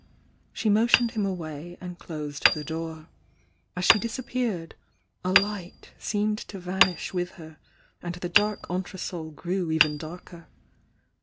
She motioned him away, and closed thd door. As she disappeared, a light seemed to vanish witii her and the dark entresol grew even darker.